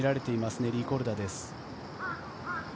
ネリー・コルダです。